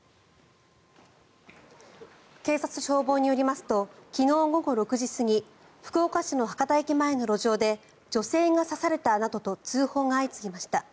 警察と消防によりますと昨日午後６時過ぎ福岡市の博多駅前の路上で女性が刺されたなどと通報が相次ぎました。